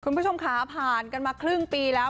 คุณผู้ชมค่ะผ่านกันมาครึ่งปีแล้ว